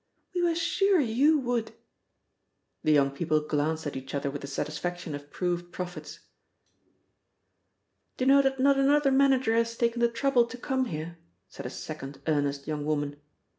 "We were sure you would!" The young people glanced at each other with the satisfaction of proved prophets. "D'you know that not another manager has taken the trouble to come here!" said a second earnest young woman.